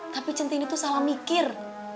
tapi centini itu salah mikir